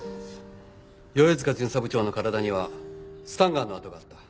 世々塚巡査部長の体にはスタンガンの痕があった。